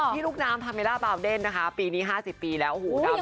พี่ลูกน้ำฮาเมล่าบาวเดนปีนี้๕๐ปีแล้ว